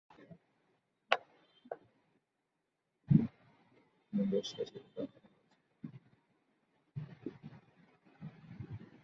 তিনি বেশ কিছু যুদ্ধে অংশগ্রহণ করেছেন।